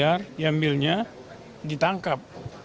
dan akhirnya ditangkap